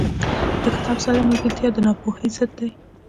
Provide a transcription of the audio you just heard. • د کتاب سره ملګرتیا، د ناپوهۍ ضد دی.